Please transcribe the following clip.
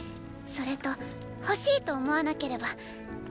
それと「欲しい」と思わなければーー。